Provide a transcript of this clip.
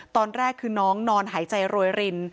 ตอนแรกคือน้องนอนหายใจโรยริน